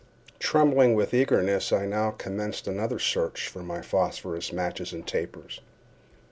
Trembling with eagerness, I now commenced another search for my phosphorus matches and tapers.